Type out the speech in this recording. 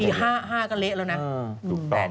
๕๕ก็เละแล้วนะ